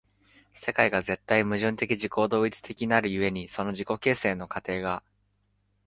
世界が絶対矛盾的自己同一的なる故に、その自己形成の過程が